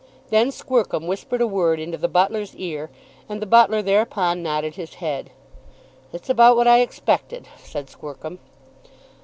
Then Squercum whispered a word into the butler's ear, and the butler thereupon nodded his head. "It's about what I expected," said Squercum.